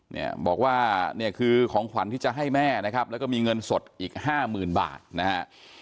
เนี่ยบอกว่าเนี่ยคือของขวัญที่จะให้แม่นะครับแล้วก็มีเงินสดอีกห้าหมื่นบาทนะฮะ